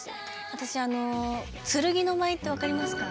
私あの「剣の舞」って分かりますか？